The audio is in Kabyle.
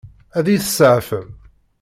Ad iyi-tseɛfem?